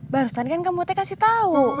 barusan kan kamu kasih tahu